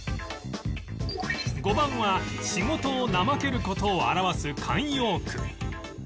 ５番は仕事をなまける事を表す慣用句